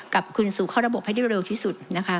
กลับคืนสู่เข้าระบบให้ได้เร็วที่สุดนะคะ